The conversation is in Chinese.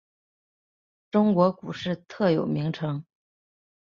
中国股市特有名称。